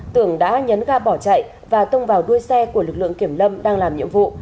tưởng đã nhấn ga bỏ chạy và tông vào đuôi xe của lực lượng kiểm lâm đang làm nhiệm vụ